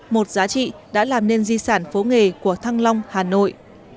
một giá trị đã làm nên di sản phố nghề của thăng long hà nội